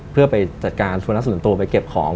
เพื่อไปจัดการสุนัขส่วนตัวไปเก็บของ